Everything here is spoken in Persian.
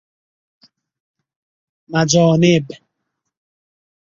مجانب